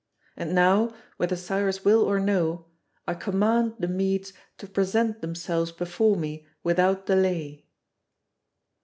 And now, whether Cyrus will or no, I command the Medes to present themselves before me without delay."